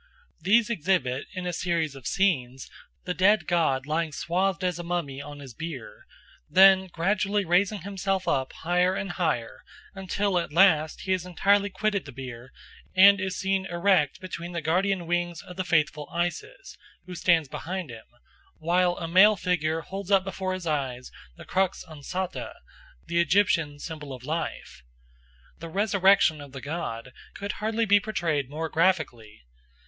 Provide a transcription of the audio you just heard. These exhibit in a series of scenes the dead god lying swathed as a mummy on his bier, then gradually raising himself up higher and higher, until at last he has entirely quitted the bier and is seen erect between the guardian wings of the faithful Isis, who stands behind him, while a male figure holds up before his eyes the crux ansata, the Egyptian symbol of life. The resurrection of the god could hardly be portrayed more graphically.